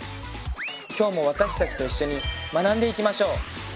今日も私たちと一緒に学んでいきましょう！